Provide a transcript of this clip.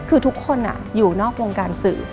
คือทุกคนอยู่นอกวงการสื่อ